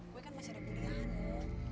gue kan masih ada kuliahan no